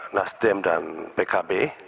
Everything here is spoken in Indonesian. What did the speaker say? nasdem dan pkb